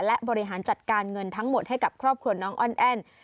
และบริหารจัดการเงินทั้งหมดให้กับครอบครัวน้องอ้อนแอ้น